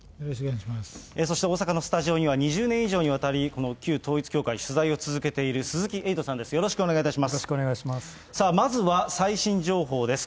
そして大阪のスタジオには、２０年以上にわたり、この旧統一教会の取材を続けている鈴木エイトさんです、よろしくお願いします。